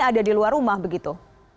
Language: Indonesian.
ada di luar rumah begitu